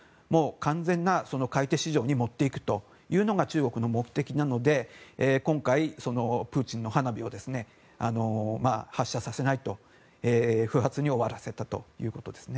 完全な買い手市場に持っていくというのが中国の目的なので今回、プーチンの花火を発射させない、不発に終わらせたということです。